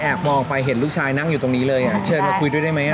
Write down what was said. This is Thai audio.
มองไปเห็นลูกชายนั่งอยู่ตรงนี้เลยเชิญมาคุยด้วยได้ไหม